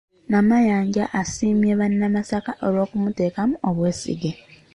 Namayanja asiimye bannamasaka olw’okumuteekamu obwesige.